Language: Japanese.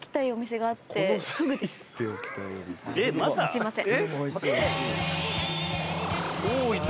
すいません。